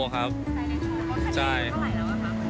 รถสไตล์เลโทรเท่าไหร่แล้วอ่ะปลาหมูบด